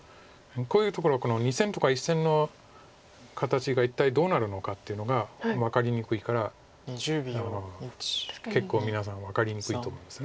こういうところ２線とか１線の形が一体どうなるのかというのが分かりにくいから結構皆さん分かりにくいと思うんです。